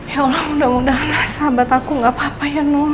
ya allah mudah mudahan sahabat aku gak apa apa ya nol